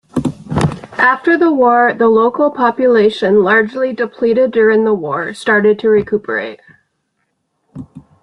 After the war the local population, largely depleted during the war, started to recuperate.